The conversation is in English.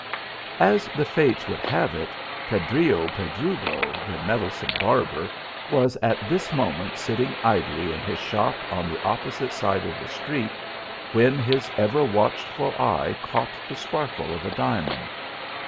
As the fates would have it, Pedrillo Pedrugo, the meddlesome barber, was at this moment sitting idly in his shop on the opposite side of the street, when his ever watchful eye caught the sparkle of a diamond.